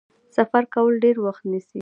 سفر کول ډیر وخت نیسي.